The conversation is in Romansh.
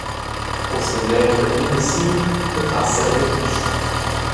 Ussa leva ina si e passa ella glisch.